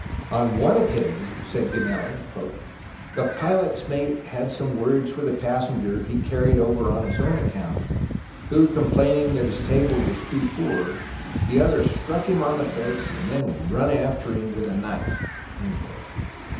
On one occasion, said Gemelli, "the pilot's mate had some words with a passenger he carry 'd over on his own account, who complaining that his table was too poor, the other struck him on the face, and then run after him with a knife."